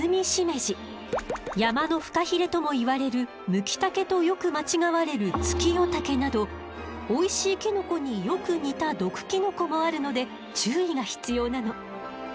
山のフカヒレともいわれるムキタケとよく間違われるツキヨタケなどおいしいキノコによく似た毒キノコもあるので注意が必要なの。